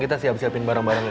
perasaan kiki nggak enak nih